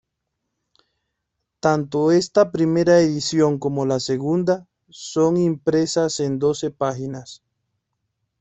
Tanto esta primera edición como la segunda, son impresas en doce páginas.